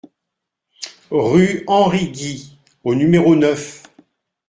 Rue Henry Guy au numéro neuf